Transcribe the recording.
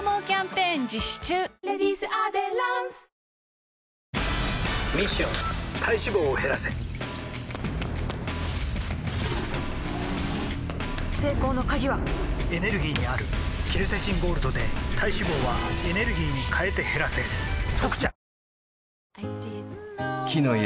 ミッション体脂肪を減らせ成功の鍵はエネルギーにあるケルセチンゴールドで体脂肪はエネルギーに変えて減らせ「特茶」